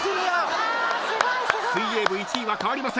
水泳部１位は変わりません。